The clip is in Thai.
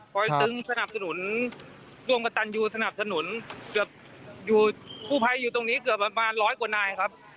ตึงสนับสนุนร่วมกับตันยูสนับสนุนเกือบอยู่กู้ภัยอยู่ตรงนี้เกือบประมาณร้อยกว่านายครับ